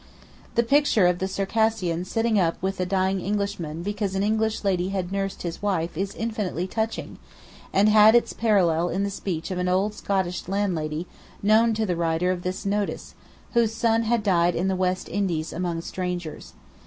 'The picture of the Circassian sitting up with the dying Englishman because an English lady had nursed his wife is infinitely touching, and had its parallel in the speech of an old Scottish landlady known to the writer of this notice, whose son had died in the West Indies among strangers.